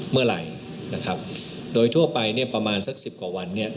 เมื่อไหร่นะครับโดยทั่วไปเนี่ยประมาณสักสิบกว่าวันเนี่ย